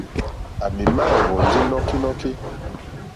À mì má ɛ̀hwɔ̀ndí nɔ́kínɔ́kí.